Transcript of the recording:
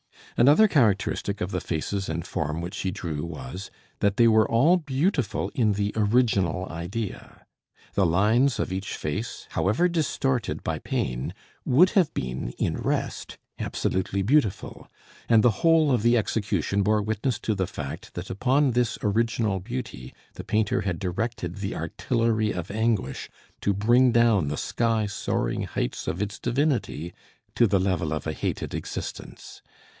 Another characteristic of the faces and form which he drew was, that they were all beautiful in the original idea. The lines of each face, however distorted by pain, would have been, in rest, absolutely beautiful; and the whole of the execution bore witness to the fact that upon this original beauty the painter had directed the artillery of anguish to bring down the sky soaring heights of its divinity to the level of a hated existence.